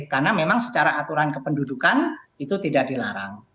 karena memang secara aturan kependudukan itu tidak dilarang